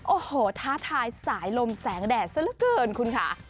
โอ้โหท้าทายสายลมแสงแดดซะละเกินคุณค่ะ